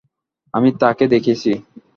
আমি তাকে দেখেছি।